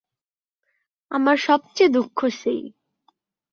আমার সব চেয়ে দুঃখ সেই।